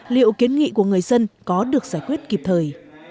liệu kiến nghị của người dân có được giải quyết kịp thời